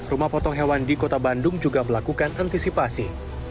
rumah potong hewan di kota bandung juga melakukan antisipasi